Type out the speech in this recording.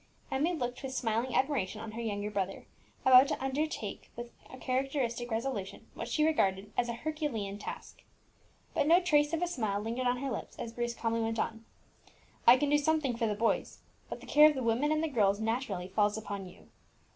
Emmie looked with smiling admiration on her young brother, about to undertake with characteristic resolution what she regarded as a Herculean task. But no trace of a smile lingered on her lips as Bruce calmly went on, "I can thus do something for the boys, but the care of the women and the girls naturally falls upon you."